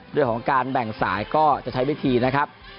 เรื่องของการแบ่งสายก็จะใช้วิธีนะครับ